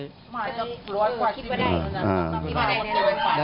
อือคิดว่าใด